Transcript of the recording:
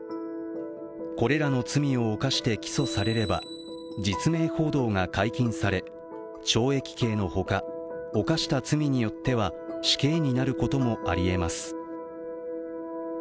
これらの罪を犯して起訴されれば実名報道が解禁され懲役刑のほか、犯した罪によっては死刑になることもありえます。